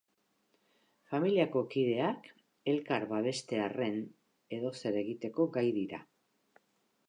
Familiako kideak elkar babestearren edozer egiteko gai dira.